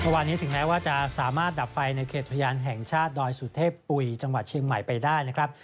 วันนี้ถึงแม้ว่าจะสามารถดับไฟในเขตอุทยานแห่งชาติดอยสุเทพปุ๋ยจังหวัดเชียงใหม่ไปได้นะครับ